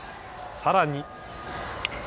さらに。